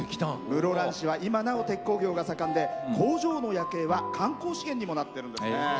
室蘭市は今なお鉄鋼業が盛んで工場の夜景は観光資源にもなってるんですね。